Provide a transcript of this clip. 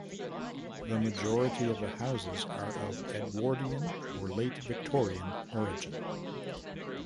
The majority of the houses are of Edwardian and late Victorian origin.